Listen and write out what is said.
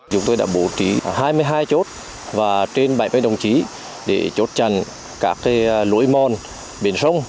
chúng tôi đã bố trí hai mươi hai chốt và trên bảy mươi đồng chí để chốt chặn các lối mòn biển sông